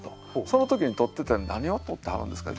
その時に採っててん「何を採ってはるんですか？」